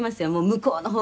向こうの方から」